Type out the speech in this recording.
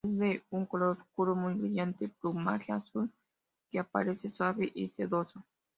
Es de un color oscuro muy brillante, plumaje azul, que parece suave y sedoso.